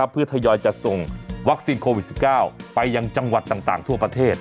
เพื่อทยอยจะส่งวัคซีนโควิด๑๙ไปยังจังหวัดต่างทั่วประเทศ